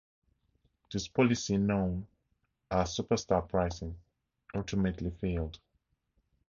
This policy, known as "superstar pricing", ultimately failed.